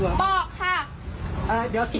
บอกรหาดเดี๋ยวนี้